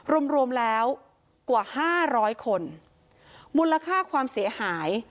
รวมรวมแล้วกว่าห้าร้อยคนมูลค่าความเสียหาย